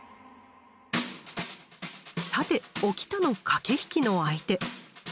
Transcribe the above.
さておきたの駆け引きの相手。